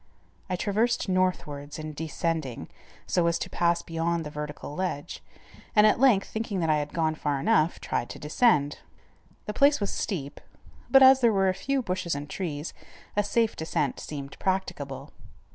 I traversed northwards in descending, so as to pass beyond the vertical ledge, and at length, thinking that I had gone far enough, tried to descend. The place was steep, but as there were a few bushes and trees a safe descent seemed practicable.